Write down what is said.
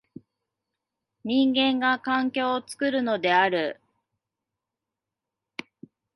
人間が環境を作るのである。